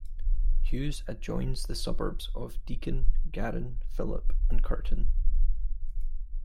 Hughes adjoins the suburbs of Deakin, Garran, Phillip and Curtin.